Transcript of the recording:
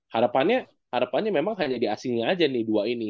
harapannya memang hanya di asingnya aja nih dua ini